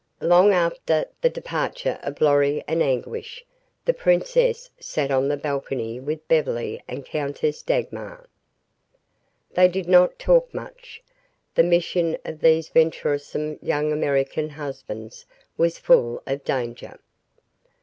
Long after the departure of Lorry and Anguish, the princess sat on the balcony with Beverly and the Countess Dagmar. They did not talk much. The mission of these venturesome young American husbands was full of danger.